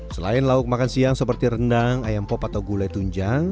selain lauk makan siang seperti rendang ayam pop atau gulai tunjang